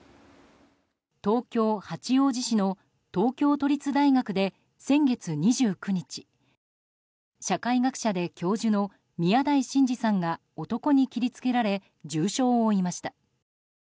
東京・八王子市の東京都立大学で先月２９日社会学者で教授の宮台真司さんが男に切りつけられ重傷を負いました。